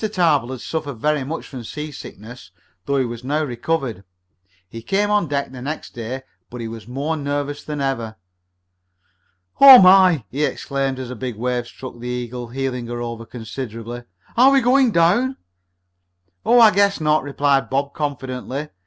Tarbill had suffered very much from seasickness, though he was now recovered. He came on deck the next day, but he was more nervous than ever. "Oh, my!" he exclaimed as a big wave struck the Eagle, heeling her over considerably. "Are we going down?" "Oh, I guess not," replied Bob confidently.